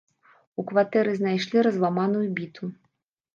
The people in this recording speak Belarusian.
У кватэры знайшлі разламаную біту.